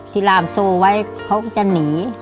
รามโซ่ไว้เขาก็จะหนี